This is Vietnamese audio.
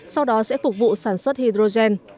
sau đó sẽ phục vụ sản xuất hydrogen